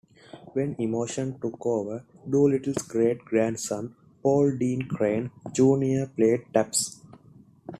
When emotion took over, Doolittle's great-grandson, Paul Dean Crane, Junior played Taps.